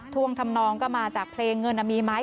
่วงทำนองก็มาจากเพลงเงินมีไหม